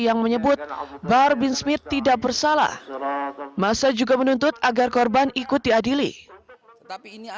yang menyebut bahar bin smith tidak bersalah masa juga menuntut agar korban ikut diadili tetapi ini